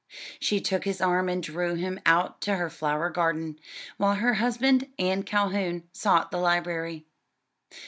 She took his arm and drew him out to her flower garden, while her husband and Calhoun sought the library.